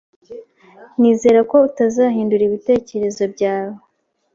Nizere ko utazahindura ibitekerezo byawe.